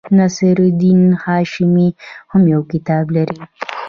نصیر الدین هاشمي هم یو کتاب لري.